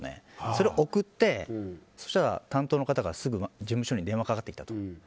それを送ってそうしたら担当の方からすぐ事務所に電話かかってきたと。